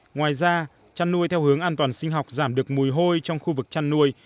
ngoài ra chăn nuôi theo hướng an toàn sinh học giảm được mùi hôi trong khu vực chăn nuôi